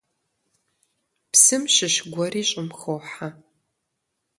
Псым щыщ гуэри щӀым хохьэ.